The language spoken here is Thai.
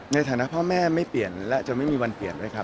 ในฐานะพ่อแม่ไม่เปลี่ยนและจะไม่มีวันเปลี่ยนด้วยครับ